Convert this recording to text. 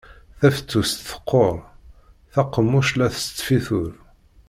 Tafettust teqqur. Taqemmuct la tesfituṛ.